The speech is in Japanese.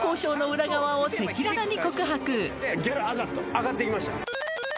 上がって行きました。